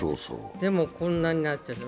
でもこんなになっています。